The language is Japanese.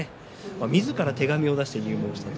みずから手紙を出して入門したと。